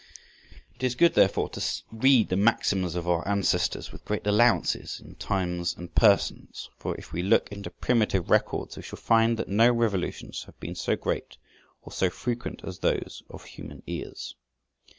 {151a} It is good, therefore, to read the maxims of our ancestors with great allowances to times and persons; for if we look into primitive records we shall find that no revolutions have been so great or so frequent as those of human ears.